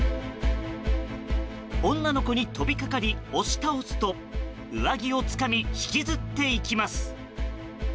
女の子に飛びかかり、押し倒すと上着をつかみ引きずっていきます。